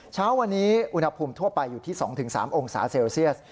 เช้าวันนี้อุณหภูมิทั่วไปอยู่ที่๒๓องศาเซลเซียส